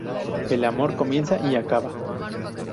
El amor comienza y acaba.